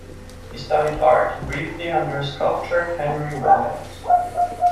He studied art briefly under sculptor Henry Wiles.